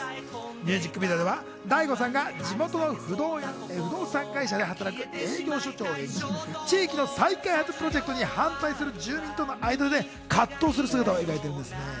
ミュージックビデオでは、大悟さんが地元の不動産会社で働く営業所長を演じ、地域の再開発プロジェクトに反対する住民と葛藤する姿を描いています。